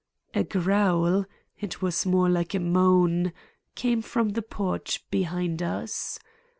A growl—it was more like a moan—came from the porch behind us.